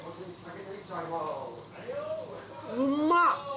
うまっ！